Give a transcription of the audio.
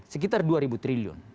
sekitar dua ribu triliun